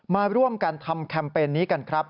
มาร่วมกันทำแคมเปญนี้กันครับ